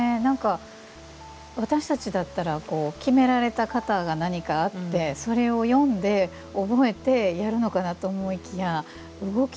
私たちだったら決められた型が何かあってそれを読んで覚えてやるのかなと思いきや動き